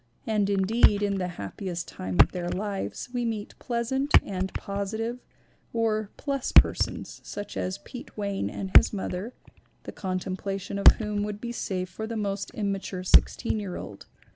And indeed in The Happiest Time of Their Lives we meet pleasant and positive, or "plus" per sons, such as Pete Wayne and his mother, the con templation of whom would be safe for the most im mature sixteen year old.